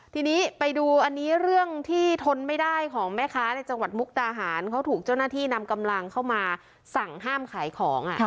ทีนี้ไปดูอันนี้เรื่องที่ทนไม่ได้ของแม่ค้าในจังหวัดมุกดาหารเขาถูกเจ้าหน้าที่นำกำลังเข้ามาสั่งห้ามขายของ